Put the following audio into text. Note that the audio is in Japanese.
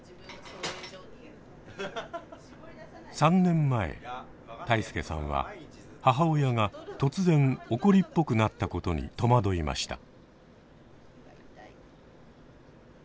３年前泰亮さんは母親が突然怒りっぽくなったことに戸惑いました。